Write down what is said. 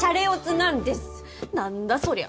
なんだそりゃ！